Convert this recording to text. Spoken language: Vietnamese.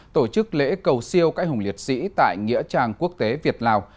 tổ chức lễ cầu siêu cãi hùng liệt sĩ tại nghĩa trang quốc tế việt lào